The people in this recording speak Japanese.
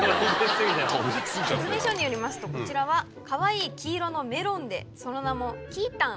説明書によりますとこちらはかわいい黄色のメロンでその名もキイたん。